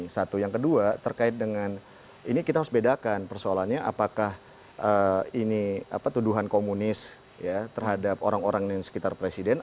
satu yang kedua terkait dengan ini kita harus bedakan persoalannya apakah ini tuduhan komunis terhadap orang orang di sekitar presiden